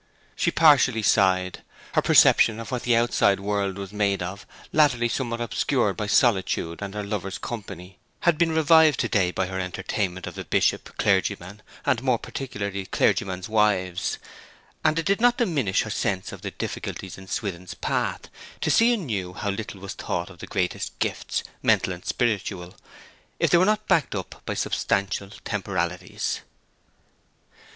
She partially sighed. Her perception of what the outside world was made of, latterly somewhat obscured by solitude and her lover's company, had been revived to day by her entertainment of the Bishop, clergymen, and, more particularly, clergymen's wives; and it did not diminish her sense of the difficulties in Swithin's path to see anew how little was thought of the greatest gifts, mental and spiritual, if they were not backed up by substantial temporalities.